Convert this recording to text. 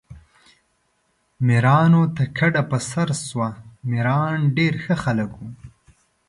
میرانو ته کډه په سر شو، میران ډېر ښه خلک وو.